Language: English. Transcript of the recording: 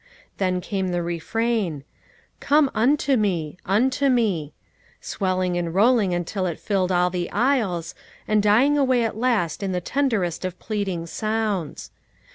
Then came the refrain :" Come unto Me, unto Me," swelling and rolling until it filled all the aisles, and dying away at last in the tenderest of pleading sounds.